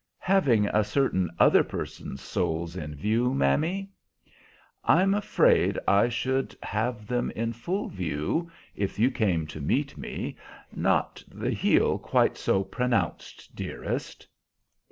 "Having a certain other person's soles in view, mammy?" "I'm afraid I should have them in full view if you came to meet me. Not the heel quite so pronounced, dearest."